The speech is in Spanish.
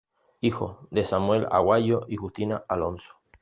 Hijo de Samuel Aguayo y Justina Alonso.